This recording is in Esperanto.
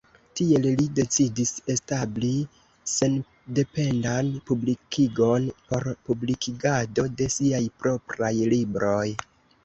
Tiel li decidis establi sendependan publikigon por publikigado de siaj propraj libroj.